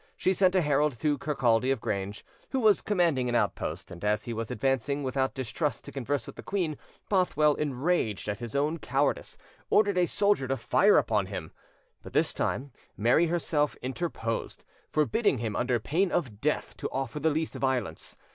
She sent a herald to Kirkcaldy of Grange, who was commanding an outpost, and as he was advancing without distrust to converse with the queen, Bothwell, enraged at his own cowardice, ordered a soldier to fire upon him; but this time Mary herself interposed, forbidding him under pain of death to offer the least violence.